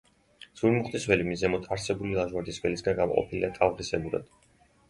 ზურმუხტის ველი, მის ზემოთ არსებულ ლაჟვარდის ველისგან გამოყოფილია ტალღისებურად.